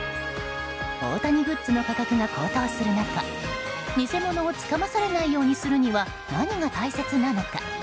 大谷グッズの価格が高騰する中偽物をつかまされないようにするには何が大切なのか。